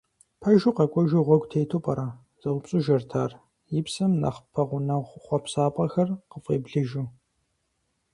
«Пэжу, къэкӀуэжу гъуэгу тету пӀэрэ?» — зэупщӀыжырт ар, и псэм нэхъ пэгъунэгъу хъуэпсапӀэхэр къыфӀеблыжу.